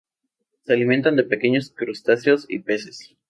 Se alimentan de pequeños crustáceos y peces.